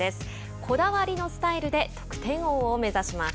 こだわりのスタイルで得点王を目指します。